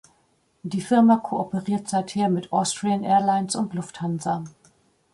Die Firma kooperiert seither mit Austrian Airlines und Lufthansa.